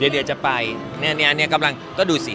เดี๋ยวจะไปเนื่องเดี๋ยวก็ดูสิ